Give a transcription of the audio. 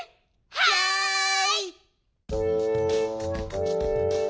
はい！